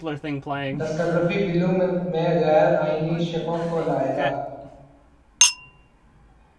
تصرفی بِلوں میں غیرآئینی شقوں کو لائے گا